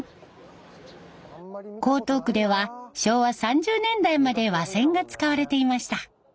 江東区では昭和３０年代まで和船が使われていました。